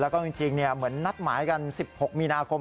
แล้วก็จริงเหมือนนัดหมายกัน๑๖มีนาคม